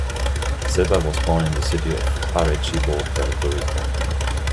Silva was born in the city of Arecibo, Puerto Rico.